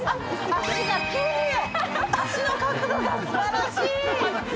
脚の角度がすばらしい。